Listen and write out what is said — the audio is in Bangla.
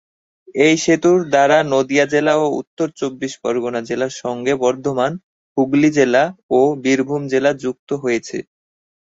এই সেতুর দ্বারা নদীয়া জেলা ও উত্তর চব্বিশ পরগনা জেলার সঙ্গে বর্ধমান, হুগলি জেলা ও বীরভূম জেলা যুক্ত রয়েছে।